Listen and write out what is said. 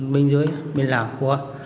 bên dưới bên lào qua